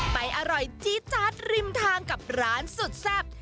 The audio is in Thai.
อร่อยจี๊ดจัดริมทางกับร้านสุดแซ่บ